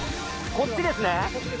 こっちです。